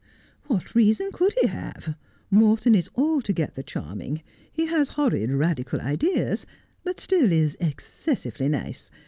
' What reason could he have 1 Morton is altogether charm ing ; he has horrid radical ideas, but still is excessively nice.